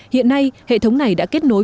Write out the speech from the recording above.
hiện nay hệ thống này đã kết nối